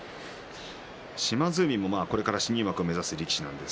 島津海も、これから新入幕をねらう力士です。